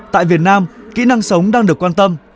tại việt nam kỹ năng sống đang được quan tâm